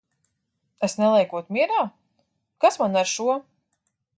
Es neliekot mierā? Kas man ar šo!